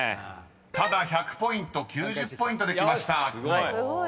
［ただ１００ポイント９０ポイントできました］